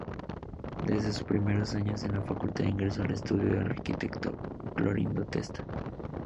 Desde sus primeros años en la facultad ingresó al estudio del arquitecto Clorindo Testa.